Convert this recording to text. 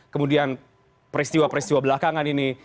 kemudian peristiwa peristiwa belakangan ini